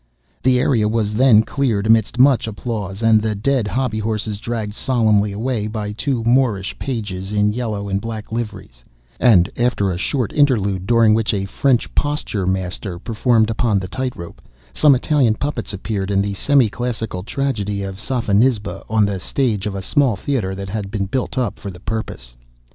The arena was then cleared amidst much applause, and the dead hobby horses dragged solemnly away by two Moorish pages in yellow and black liveries, and after a short interlude, during which a French posture master performed upon the tightrope, some Italian puppets appeared in the semi classical tragedy of Sophonisba on the stage of a small theatre that had been built up for the purpose.